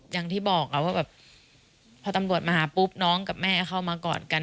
อย่างที่บอกว่าแบบพอตำรวจมาหาปุ๊บน้องกับแม่เข้ามากอดกัน